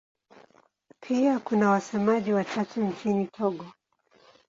Pia kuna wasemaji wachache nchini Togo.